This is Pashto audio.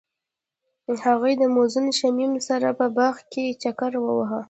هغوی د موزون شمیم سره په باغ کې چکر وواهه.